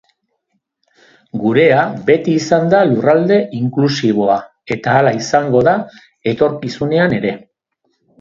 Gurea beti izan da lurralde inklusiboa eta hala izango da etorkizunean ere.